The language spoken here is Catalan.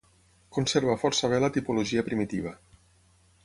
Conserva força bé la tipologia primitiva.